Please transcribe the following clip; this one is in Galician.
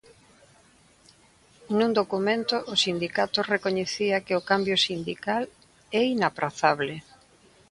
Nun documento, o sindicato recoñecía que o cambio sindical "é inaprazable".